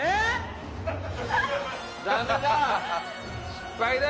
失敗だよ